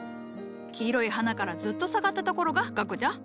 黄色い花からずっと下がったところが萼じゃ。